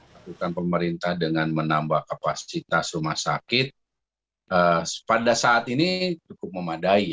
lakukan pemerintah dengan menambah kapasitas rumah sakit pada saat ini cukup memadai